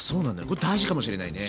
これ大事かもしれないね。